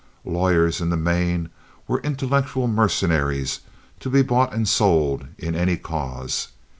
Lawyers in the main were intellectual mercenaries to be bought and sold in any cause.